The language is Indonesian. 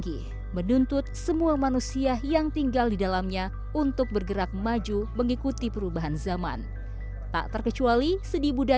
wah bukit wairinding yang sangat terkenal itu ya